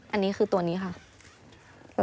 อันนี้คือตัวนี้ค่ะ